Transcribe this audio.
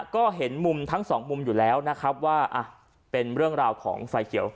ก็เห็นมุมทั้งสองมุมอยู่แล้วนะครับว่าเป็นเรื่องราวของไฟเขียว